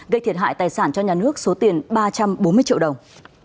gây thiệt hại tài sản cho nhà nước số tiền ba trăm bốn mươi triệu đồng